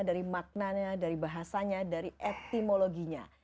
dari maknanya dari bahasanya dari epimologinya